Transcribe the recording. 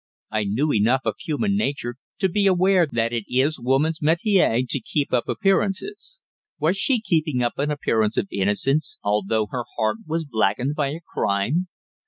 I knew enough of human nature to be aware that it is woman's métier to keep up appearances. Was she keeping up an appearance of innocence, although her heart was blackened by a crime?